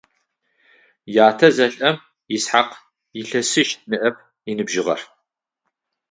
Ятэ зэлӀэм Исхьакъ илъэсищ ныӀэп ыныбжьыгъэр.